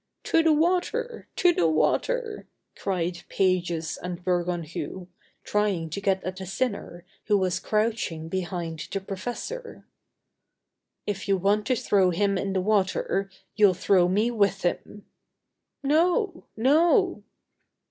"To the water! To the water!" cried Pages and Bergounhoux, trying to get at the sinner, who was crouching behind the professor. "If you want to throw him in the water, you'll throw me with him!" "No! No!"